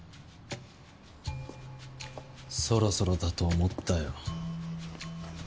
そろそろだと思ったよ。